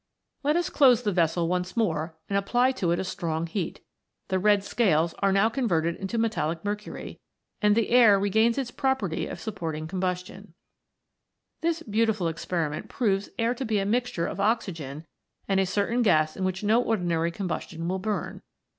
Let us close the vessel once more and apply to it a strong heat ; the red scales are now converted into metallic mercury, and the air regains its pro perty of supporting combustion. D 2 36 THE FOUR ELEMENTS. This beautiful experiment proves air to be a mix ture of oxygen and a certain gas in which no ordi nary combustible will burn.